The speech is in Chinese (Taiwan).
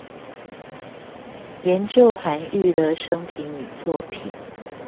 研究韓愈的生平與作品